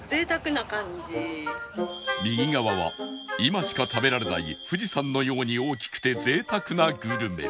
右側は今しか食べられない富士山のように大きくて贅沢なグルメ